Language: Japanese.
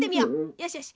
よしよし。